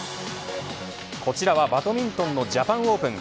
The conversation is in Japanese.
こちらはバドミントンのジャパンオープン。